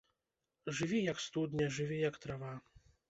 Жыві як студня, жыві як трава.